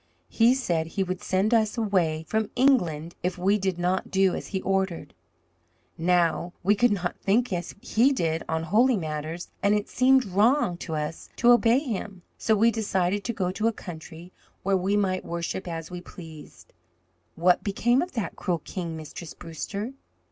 He said he would send us away from England if we did not do as he ordered. Now, we could not think as he did on holy matters, and it seemed wrong to us to obey him. So we decided to go to a country where we might worship as we pleased." "What became of that cruel king, Mistress Brewster?"